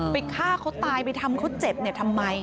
ไปฆ่าเขาตายไปทำเขาเจ็บทำไม